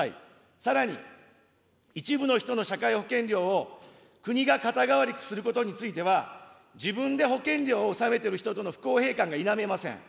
さらに、一部の人の社会保険料を、国が肩代わりすることについては、自分で保険料を納めている人との不公平感が否めません。